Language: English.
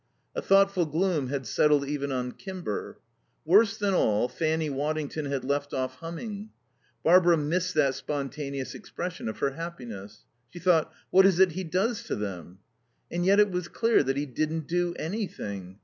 A thoughtful gloom had settled even on Kimber. Worse than all, Fanny Waddington had left off humming. Barbara missed that spontaneous expression of her happiness. She thought: "What is it he does to them?" And yet it was clear that he didn't do anything.